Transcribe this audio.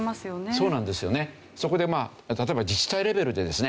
そこでまあ例えば自治体レベルでですね